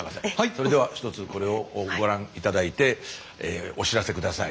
それではひとつこれをご覧頂いてお知らせ下さい。